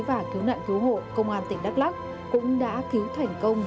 và cứu nạn cứu hộ công an tỉnh đắk lắc cũng đã cứu thành công